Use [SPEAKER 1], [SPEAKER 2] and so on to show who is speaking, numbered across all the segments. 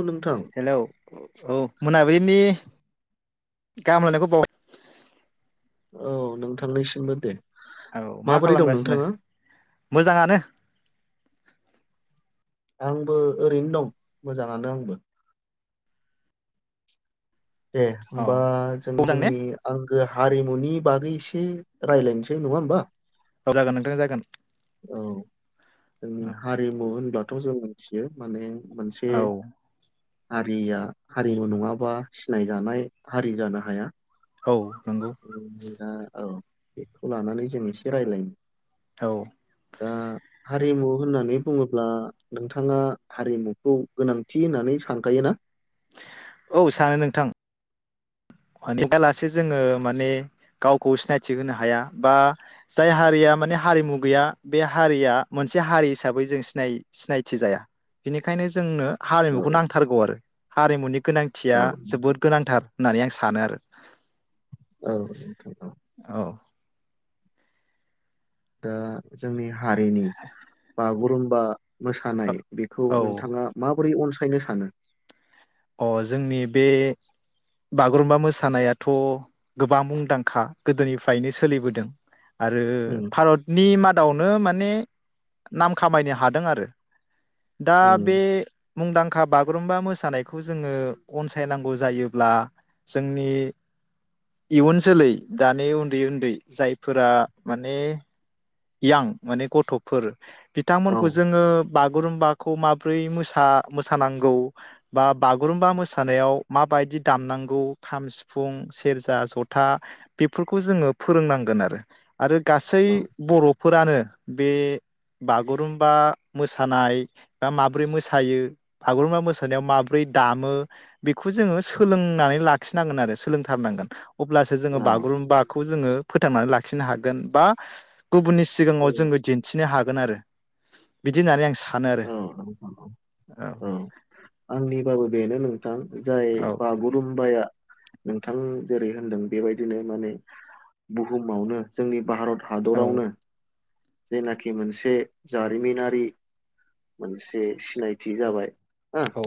[SPEAKER 1] औ नोंथां
[SPEAKER 2] हेलौ औ मोनाबिलिनि गाहाम हामलायनायखौ बाव
[SPEAKER 1] औ नोंथांनिसिमबो दे।
[SPEAKER 2] औ मा
[SPEAKER 1] माबोरै दं
[SPEAKER 2] खालामगासिनो?
[SPEAKER 1] नोंथाङा आंबो ओरैनो दं मोजाङानो आंबो। दे
[SPEAKER 2] अ
[SPEAKER 1] होमबा जों
[SPEAKER 2] मोजां ने
[SPEAKER 1] जोंनि आं हारिमुनि बागै एसे रायलायनोसै नङा होमबा।
[SPEAKER 2] औ जागोन नोंथां जागोन।
[SPEAKER 1] औ जोंनि
[SPEAKER 2] औ
[SPEAKER 1] हारिमु होनब्ला खौ जों मिथियो माने मोनसे
[SPEAKER 2] औ
[SPEAKER 1] हारिया हारिमु नङाबा सिनायजानाय हारि जानो हाया।
[SPEAKER 2] औ नंगौ
[SPEAKER 1] औ बेखौ लानानै जों एसे रायज्लायनो
[SPEAKER 2] औ
[SPEAKER 1] दा हारिमु होननानै बुङोब्ला नोंथाङा हारिमुखौ गोनांथि होननानै सानखायोना?
[SPEAKER 2] औ सानो नोंथां अनेखा लासे जोङो माने गावखौ सिनायथि होनो हाया बा जाय हारिया माने हारिमु गैया बे हारिया मोनसे हारि हिसाबै जोंनाय सिनाय सिनायथि जाया बेनिखायनो जोंनो हारिमुखौ
[SPEAKER 1] औ
[SPEAKER 2] नांथारगौ आरो हारिमुनि। गोनांथिया
[SPEAKER 1] औ
[SPEAKER 2] जोबोद गोनांथार। होननानै आ सानो आरो
[SPEAKER 1] औ
[SPEAKER 2] औ
[SPEAKER 1] दा जोंनि हारिनि बागुरूम बा मोसानाय बेखौ
[SPEAKER 2] औ
[SPEAKER 1] नोंथाङा माबोरै अनसाय नो सानो
[SPEAKER 2] अ जोंनि बे बागुरुम्बा मोसानायाथ' गोबां मुंदांखा गोदोनिफ्रायनो सोलिबोदों आरो
[SPEAKER 1] उम
[SPEAKER 2] भारतनि मादाव नो माने नाम खामायनो हादों आरो दा बे
[SPEAKER 1] उम
[SPEAKER 2] मुंदांखा बागुरुम्बा मोसानाय खौ जोङो अनसायनांगौ जायोब्ला जोंनि इयुन जोलै दानि उन्दै उन्दै जायफोरा माने यां माने गथ'फोर
[SPEAKER 1] औ
[SPEAKER 2] बिथांमोनखौ जोङो बागुरुम्बाखौ माबोरैसा मोसानांगौ बा बागुरुमबा मोसानायाव माबायदि दामनांगौ खाम सिफुं सेरजा जथा बेफोरखौ जोङो फोरोंनांगोन आरो आरो गासै
[SPEAKER 1] औ
[SPEAKER 2] बर'फोरानो बे बागुरुम्बा मोसानाय बा माब्रै मोसायो बागुरुम्बा मोसानायाव माबोरै दामो बेखौ जोङो सोलोंनानै लाखिनांगोन आरो सोलोंथारनांगोन। अब्लासो जोङो
[SPEAKER 1] औ
[SPEAKER 2] बागुरुम्बाखौ जोङो फो फोथांनानै लाखिनो हागोन बा गुबुननि
[SPEAKER 1] औ
[SPEAKER 2] सिगाङाव जोङो दिन्थिनो हागोन आरो। बिदि होननानै आं सान
[SPEAKER 1] औ औ औ औ आंनिबाबो बेनो नोंथां। जाय
[SPEAKER 2] आरो औ
[SPEAKER 1] बागुरुम्बाया नोंथां जेरै होनदों बेबायदिनो माने बुहुमावनो जोंनि भारत
[SPEAKER 2] औ
[SPEAKER 1] हादरावनो जेयनाखि मोनसे जारिमिनारि मोनसे सिनायथि जाबाय। हो
[SPEAKER 2] औ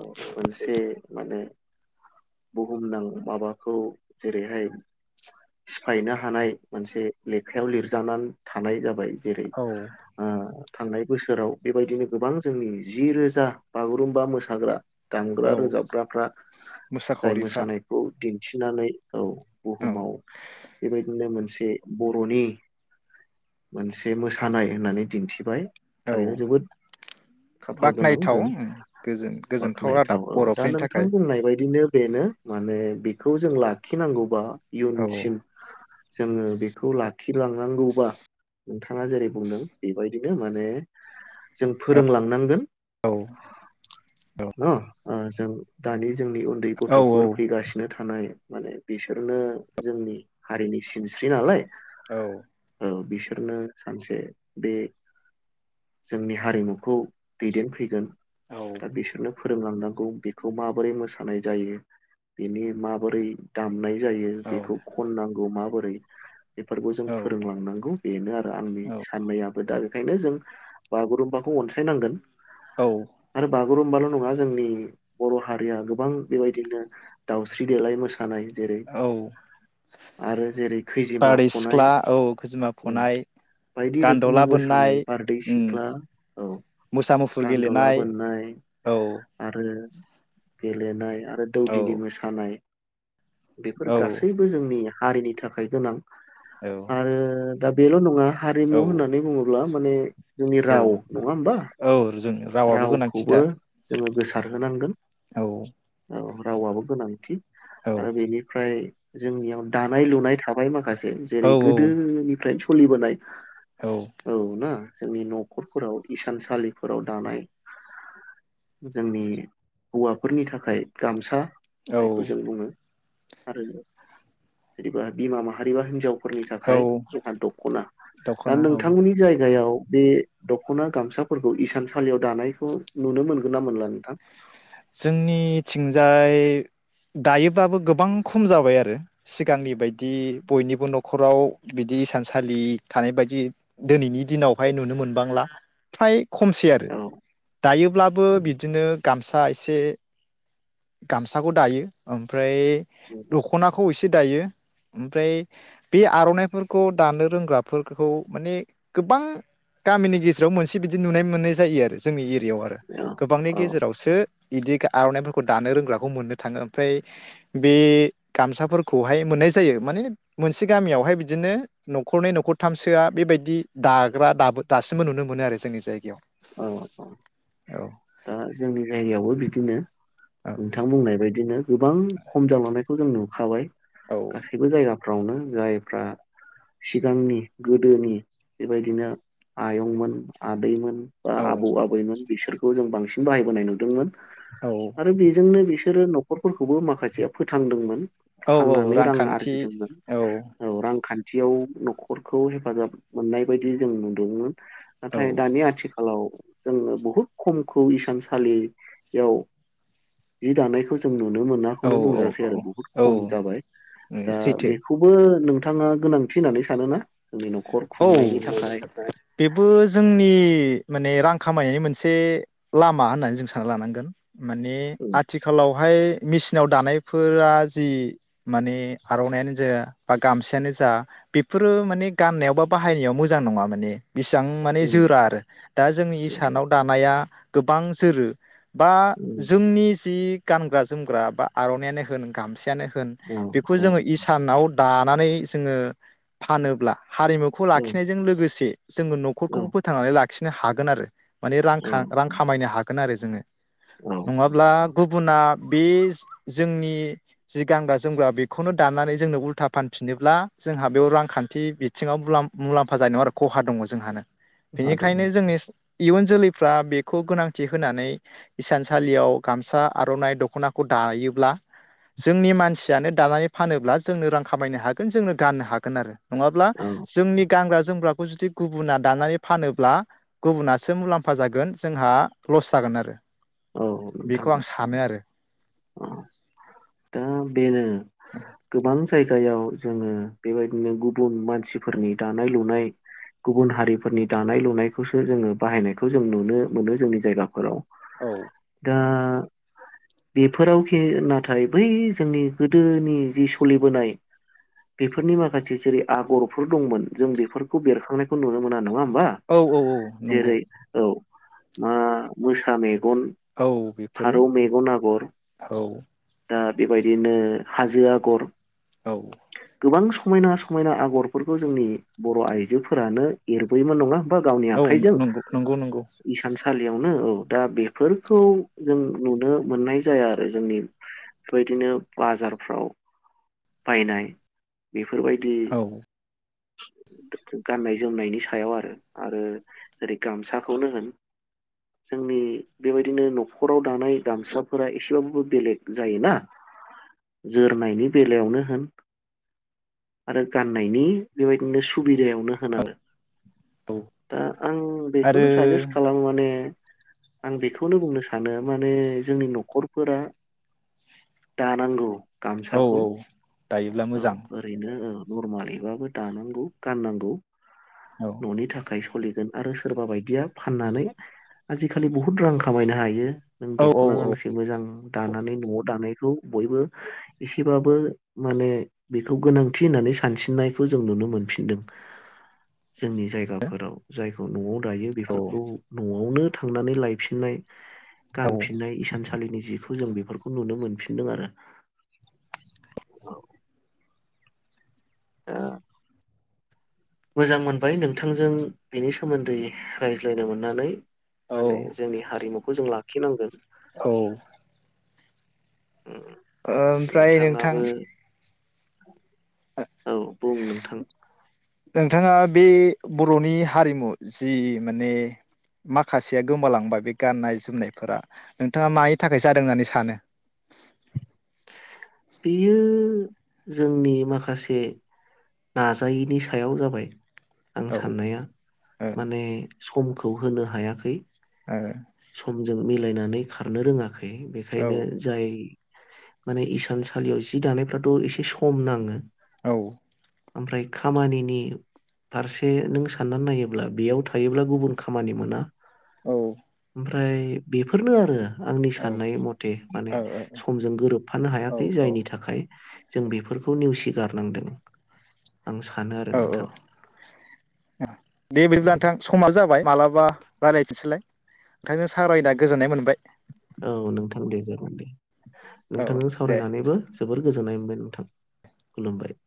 [SPEAKER 1] औ मोनसे माने बुहुमनां माबाखौ जेरैहाय सिफायनो हानाय मोनसे लेखायाव लिरजानान थानाय जाबाय। जेरै
[SPEAKER 2] औ
[SPEAKER 1] आं जे थांनाय बोसोराव बेबायदिनो गोबां जोंनि जि रोजा बागुरुम्बा मोसाग्रा। दामग्रा आरो
[SPEAKER 2] औ
[SPEAKER 1] जावग्राफ्रा। जाय
[SPEAKER 2] मोसाखावरिफ्रा
[SPEAKER 1] मोसानायखौ दिन्थिनानै। औ
[SPEAKER 2] औ
[SPEAKER 1] बुहुमाव बेबायदिनो मोनसे से बर'नि मोनसे मोसानाय होननानै दिन्थिबाय।
[SPEAKER 2] औ
[SPEAKER 1] थारैनो जोबोद खाफाल गोनां
[SPEAKER 2] बाख्नायथाव
[SPEAKER 1] जों
[SPEAKER 2] गोजोन गोजोनथाव रादाब
[SPEAKER 1] बाख्नायथाव औ दा
[SPEAKER 2] बर'फोरनि
[SPEAKER 1] नोंथां
[SPEAKER 2] थाखाय
[SPEAKER 1] बुंनाय बायदिनो। बेनो माने बेखौ जों लाखिनांगौ। बा
[SPEAKER 2] औ
[SPEAKER 1] इयुनसिम जोङो बेखौ ला खिलांनांगौबा, नोंथाङा जेरै बुंदों, बेबायदिनो माने जों फोरोंलांनांगोन।
[SPEAKER 2] औ औ
[SPEAKER 1] न ओ जों दानि जोंनि
[SPEAKER 2] औ
[SPEAKER 1] गथ'फोर फैगासिनो थानाय। माने बिसोरनो जोंनि हारिनि सिनस्रि नालाय।
[SPEAKER 2] औ।
[SPEAKER 1] ओ बिसोरनो सानसे बे जोंनि हारिमुखौ दैदेनफैगोन। दा बिसनो फोरोंलांनांगौ बेखौ माबोरै मोसानाय जायो बिनि माबोरै दामनाय जायो बेखौ खननांगौ। गौ माबोरै। बेफोरखौ जों
[SPEAKER 2] औ
[SPEAKER 1] फोरोंलांनांगौ बेनो आरो आंनि साननायाबो दा। ओंखायनो जों बागुरुम्बाखौ अनसायनांगोन।
[SPEAKER 2] औ।
[SPEAKER 1] गुरुमबाल' नङा जोंनि बर' हारिया गोबां बेबायदिनो दाउस्रि देलाय मोसानाय जेरै
[SPEAKER 2] औ
[SPEAKER 1] आरो जेरै
[SPEAKER 2] बारदै
[SPEAKER 1] खैजिमाफनाय
[SPEAKER 2] सिख्ला औ खोजिमा फनाय
[SPEAKER 1] बायदि रोखोमनि
[SPEAKER 2] गान्दला बोननाय
[SPEAKER 1] मोसानाय बारदै
[SPEAKER 2] उम
[SPEAKER 1] सिख्ला औ
[SPEAKER 2] मोसा मुफुर
[SPEAKER 1] गान्दुला
[SPEAKER 2] गेलेनाय
[SPEAKER 1] बोननाय
[SPEAKER 2] औ
[SPEAKER 1] आरो गेलनाय आरो
[SPEAKER 2] औ
[SPEAKER 1] दौदिनि मोसानाय बेफोर
[SPEAKER 2] औ
[SPEAKER 1] गासैबो जोंनिया हारिनि थाखाय गोनां।
[SPEAKER 2] औ
[SPEAKER 1] आरो दा बेल' नङा हारिमु
[SPEAKER 2] औ
[SPEAKER 1] होननानै बुङोब्ला माने जोंनि
[SPEAKER 2] औ
[SPEAKER 1] राव नङा होमबा
[SPEAKER 2] औ जों रावाबो
[SPEAKER 1] रावखौबो
[SPEAKER 2] गोनांथिथार
[SPEAKER 1] जोङो गोसारहोनांगोन।
[SPEAKER 2] औ
[SPEAKER 1] औ रावाबबो गोनांथि।
[SPEAKER 2] औ
[SPEAKER 1] आरो बेनिफ्राय जोंनियाव दानाय लुनाय थाबाय माखासे
[SPEAKER 2] औ
[SPEAKER 1] जेरै गोदोनिफ्राय फुलि बोनाय औ ना जोंनि न'खरफोराव इसानसालिफोराव दानाय जोंनि हौवाफोरनि थाखाय गामसा‌। जायखौ
[SPEAKER 2] औ
[SPEAKER 1] जों बुङो आरो जेनेबा बिमा माहारिबा हिनजाव फोरनि थाखाय
[SPEAKER 2] औ
[SPEAKER 1] जोंहा दख'ना दा
[SPEAKER 2] दख'ना औ
[SPEAKER 1] नोंथांमोननि जायगायाव बे दख'ना गामसाफोरखौ इसान सालियाव दानायखौ नुनो मोनगोन ना मोनला नोंथां?
[SPEAKER 2] जोंनि थिंजाय दायोबाबो गोबां खम जाबाय आरो सिगांनि बायदि बयनिबो न'खराव बिदि हिसानसालि थानाय बायदि दिनैनि दिनावहाय नुनो मोनबांला फ्राय खमसै आरो
[SPEAKER 1] औ
[SPEAKER 2] दायोब्लाबो बिदिनो गामस सा एसे गामसाखौ दायो ओमफ्राय दख'नाखौ एसे दायो ओमफ्राय बे आरनायफोरखौ दानो रोंग्राफोरखौ माने गोबां गामिनि गेजेराव मोनसे बिदि नुनाय मोननाय जायो आरो जोंनि एरियाव आरो
[SPEAKER 1] औ
[SPEAKER 2] गोबांनि
[SPEAKER 1] औ
[SPEAKER 2] गेजेरावसो इदि आरनाय फोर दानो रोंग्राखौ मोननो थाङो ओमफ्राय बे गामसाफोरखौहाय मोननाय जायो माने मोनसे गामियावहाय बिदिनो न'खरनै न'खरथामसोआ बेबायदि दाग्रा दाबो दासिमबो नुनो मोनो आरो जोंनि जायगायाव।
[SPEAKER 1] औ औ दा जोंनि जायगायावबो बिदिनो।
[SPEAKER 2] औ
[SPEAKER 1] नोंथां बुंनाय बाय बिदिनो। गोबां खम जालांनाय खौ जों नुखाबाय।
[SPEAKER 2] औ
[SPEAKER 1] गासिबो जायगा फ्रावनो जायफ्रा सिगांनि गोदोनि बेबायदिनो आयंमोन आदैमोन। आबौ
[SPEAKER 2] औ
[SPEAKER 1] आबैमोन बिसोर खौ जों बांसिन बाहायबोनाय नुदोंमोन
[SPEAKER 2] औ
[SPEAKER 1] आरो बेजोंनो बिस बिसोरो न'खरफोरखौबो माखासेया फोथांदोंमोन।
[SPEAKER 2] औ औ
[SPEAKER 1] फाननानै रां
[SPEAKER 2] रांखान्थि
[SPEAKER 1] आरजिदोंमोन औ रां खान थियाव न'खरखौ हेफाजाब मोननाय बायदि जों नुदोंमोन।
[SPEAKER 2] औ
[SPEAKER 1] नाथाय दानि आथि खालाव जोङो बहुद खमखौ इसानसालियाव जि दानायखौ जों नुनो
[SPEAKER 2] औ
[SPEAKER 1] मोनाखौनो
[SPEAKER 2] औ
[SPEAKER 1] बुंजासै आरो बहुत
[SPEAKER 2] औ
[SPEAKER 1] खम जाबाय दा
[SPEAKER 2] सैथो
[SPEAKER 1] बेखौबो नोंथा नोंथाङा गोनांथि होननानै सानो ना?
[SPEAKER 2] औ बेबो जोंनि माने रां खामायनायनि मोनसे लामा होननानै जों सानना लानांगोन। माने
[SPEAKER 1] औ
[SPEAKER 2] आथिखालावहाय मेसिनाव दानायफोरा जि माने आर'नायानो जा बा गामसायानो जा बेफोरो माने गाननायाव बा बाहायनायाव मोजां नङा माने बेसिबां माने
[SPEAKER 1] औ
[SPEAKER 2] जोरा आरो दा जोंनि इसानाव दानाया गोबां जोरो बा जोंनि जि गानग्रा जोमग्रा बा आर'नायानो होन गामसायानो होन बेखौ
[SPEAKER 1] औ
[SPEAKER 2] जोङो इसानाव दानानै जोङो फानोब्ला हारिमुखौ
[SPEAKER 1] औ
[SPEAKER 2] लाखिनायजों लोगोसे जोङो
[SPEAKER 1] औ
[SPEAKER 2] न'खरखौबो फोथांनानै ला लाखिनो हागोन आरो। माने रां
[SPEAKER 1] औ
[SPEAKER 2] खा रां खामायनो हागोन आरो। जोङो।
[SPEAKER 1] औ औ
[SPEAKER 2] नङाब्ला गुबुना बे जोंनि जि गानग्रा जोमग्रा बेखौनो दानानै जोंनो उल्था फानफिनोब्ला जोंहा बेयाव रांखान्थि बि बिथिङाव मुलाम मुलाम्फा जानाय आरो खहा दङ जोंहानो।
[SPEAKER 1] हा दङ
[SPEAKER 2] बेनिखायनो जोंनि इयुन जोलैफ्रा बेखौ गोनांथि होनानै इसानसालियाव गामसा आर'नाइ दख'नाखौ दायोब्ला जोंनि मानसियानो दानानै फानोब्ला जोंनो रां खामायनो हागोन, जोंनो गाननो हागोन आरो नङाब्ला
[SPEAKER 1] औ
[SPEAKER 2] जोंनि गानग्रा जोमग्रा [unintelligible] जुदि गुबुना दानानै फानोब्ला गुबुनासो मुलाम्फा जागोन जोंहा लस जागोन आरो।
[SPEAKER 1] औ नोंथां
[SPEAKER 2] बेखौ आं सानो आरो
[SPEAKER 1] औ दा बेनो गोबां जायगायाव जोङो बेबायदिनो गुबुन मानसिफोरनि दानाय -लुनाय गुबुन हारिफोरनि दानाय लुनायखौसो जोङो बाहायनायखौ जों नुनो मोनो जोंनि जायगाफोराव।
[SPEAKER 2] औ।
[SPEAKER 1] ओ बेफोरावखि नाथाय बै जोंनि गोदोनि जि सोलिबोनाय बेफोरनि माखासे जेरै आगरफोर दंमोन जों बेफोरखौ बेरखांनायखौ नुनो मोना नाङा होनबा।
[SPEAKER 2] औ औ औ नंगौ।
[SPEAKER 1] ओ मोसानाय [unintelligible]
[SPEAKER 2] औ बेफोरो
[SPEAKER 1] फारौ मेगन आगर
[SPEAKER 2] औ
[SPEAKER 1] दा बेबायदिनो हाजो आगर
[SPEAKER 2] औ
[SPEAKER 1] गोबां समायना समायना आगरफोरखौ जोंनि बर' आइजोफोरानो एरबोयोमोन नङा [unintelligible] गावनि
[SPEAKER 2] औ
[SPEAKER 1] आखाइजों
[SPEAKER 2] नंगौ नंगौ नंगौ
[SPEAKER 1] इसान [unintelligible] सालियावनो औ दा बे फोरखौ जों नुनो मोननाय जाया आरो जोंनि बेबायदिनो बाजारफ्राव बायनाय बे बेफोरबायदि
[SPEAKER 2] औ
[SPEAKER 1] गाननाय -जोमनायनि सायाव आरो आरो जेरै गामसाखौनो होन जोंनि बेबायदिनो न'खराव दानाय गामसाफोरा एसेबाबो बेलेग जायोना जोरनायनि बेलायावनो होन आरो गाननायनि बेबायदिनो [unintelligible] सुबिदायावनो होन
[SPEAKER 2] औ
[SPEAKER 1] आरो
[SPEAKER 2] औ
[SPEAKER 1] दा आं बेखौनो
[SPEAKER 2] आरो
[SPEAKER 1] साजेस्ट खालामो माने आं बेखौनो बुंनो सानो माने जोंनि न'खरफोरा दानांगौ
[SPEAKER 2] औ
[SPEAKER 1] गामसाखौ
[SPEAKER 2] औ दायोब्ला
[SPEAKER 1] औ
[SPEAKER 2] मोजां
[SPEAKER 1] ओरैनो औ नरमालैबाबो दानांगौ गाननांगौ।
[SPEAKER 2] औ
[SPEAKER 1] न'नि थाखाय सलिगोन आरो सोरबा बायदिया फाननानै आजिखालि बहुद रां खामायनो हायो। नों
[SPEAKER 2] औ औ
[SPEAKER 1] दख'ना गांसे मोजां दानानै न'आव दानायखौ बयबो एसेबाब [unintelligible] माने बेखौ गोनांथि होननानै सानसिननायखौ जों नुनो मोनफिनदों। जोंनि जायगाफोराव जायखौ न'आव दायो
[SPEAKER 2] औ
[SPEAKER 1] बेफोरखौ न'आवनो थांनानै लायफिननाय गानफिननाय इसानसालिनि जिखौ जों बे बेफोरखौ नुनो मोनफिनदों आरो। औ। दा मोजां मोनबाय नोंथांजों बेनि सोमोन्दै रायज्लायनो मोननानै।
[SPEAKER 2] औ
[SPEAKER 1] माने जोंनि हारिमुखौ जों ला खि नांगोन।
[SPEAKER 2] औ।
[SPEAKER 1] उम,
[SPEAKER 2] ओमफ्राय
[SPEAKER 1] नोंथाङाबो
[SPEAKER 2] नोंथां
[SPEAKER 1] औ बुं नोंथां।
[SPEAKER 2] नोंथाङा बे बर'नि हारिमु जि माने माखासेया गोमालांबाय बे गाननाय जोमनायफोरा नोंथाङा मानि थाखाय जादों होननानै सानो?
[SPEAKER 1] बेयो जोंनि माखासे नाजायैनि सायाव जाबाय। आं
[SPEAKER 2] औ ओ
[SPEAKER 1] साननाया माने समखो खौ होनो हायाखै
[SPEAKER 2] आरो
[SPEAKER 1] समजों मिलायनानै खारनो रोङाखै। बेखायनो जाय माने इसान सा सालियाव जि दानायफ्राथ' एसे सम नाङो।
[SPEAKER 2] औ।
[SPEAKER 1] ओमफ्राय खामानिनि फारसे नों साननानै नायोब्ला बेयाव थायोब्ला गुबुन खामानि मोना।
[SPEAKER 2] औ।
[SPEAKER 1] ओमफ्राय बेफोरनो आरो आंनि
[SPEAKER 2] ओ
[SPEAKER 1] साननाय मथे माने समजों गोरोबफानो हाया
[SPEAKER 2] औ
[SPEAKER 1] जायनि थाखाय जों बेफोरखौ नेवसिगारनांदों। आं सानो आरो
[SPEAKER 2] औ
[SPEAKER 1] नोंथां।
[SPEAKER 2] औ दे बिदिब्ला नोंथां समा जाबाय। मालाबा रायलायफिनसैलाय नोंथांजों सावरायना गोजोननाय मोनबाय।
[SPEAKER 1] औ नोंथां दे जागोन दे।
[SPEAKER 2] औ
[SPEAKER 1] नोंथांजों
[SPEAKER 2] दे
[SPEAKER 1] सावरायनानैबो जोबोर गोजोननाय मोनबाय नोंथां खुलुमबाय।